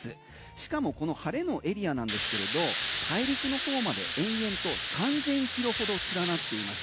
しかもこの晴れのエリアなんですけれど大陸の方まで延々と３０００ｋｍほど連なっています。